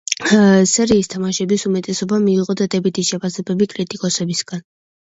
სერიის თამაშების უმეტესობამ მიიღო დადებითი შეფასებები კრიტიკოსებისგან.